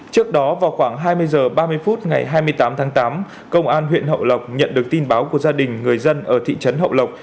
trước đó vào khoảng hai mươi h ba mươi phút ngày hai mươi tám tháng tám công an huyện hậu lộc nhận được tin báo của gia đình người dân ở thị trấn hậu lộc